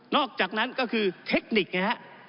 อกจากนั้นก็คือเทคนิคไงฮะ